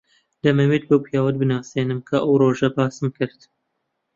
دەمەوێت بەو پیاوەت بناسێنم کە ئەو ڕۆژە باسم کرد.